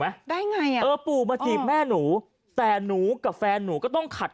ได้ไงอ่ะเออปู่มาจีบแม่หนูแต่หนูกับแฟนหนูก็ต้องขัด